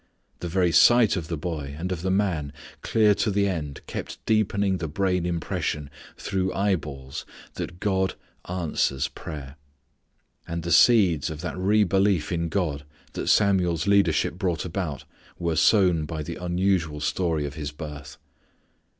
The very sight of the boy and of the man clear to the end kept deepening the brain impression through eyeballs that God answers prayer. And the seeds of that re belief in God that Samuel's leadership brought about were sown by the unusual story of his birth.